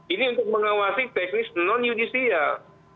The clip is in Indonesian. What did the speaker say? ini untuk mengawasi teknis non judicial